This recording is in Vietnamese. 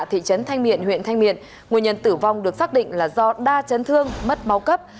thị trấn thanh miện huyện thanh miện nguyên nhân tử vong được xác định là do đa chấn thương mất máu cấp